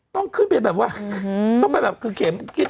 ต้องขึ้นไปแบบว่าต้องไปแบบคือเข็ม